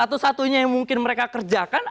satu satunya yang mungkin mereka kerjakan